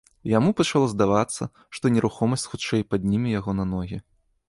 Яму пачало здавацца, што нерухомасць хутчэй падніме яго на ногі.